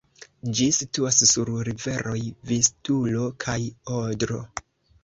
Ĝi situas sur riveroj Vistulo kaj Odro.